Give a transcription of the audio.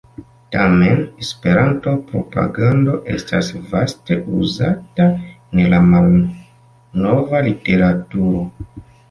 Tamen "Esperanto-propagando" estas vaste uzata en la malnova literaturo.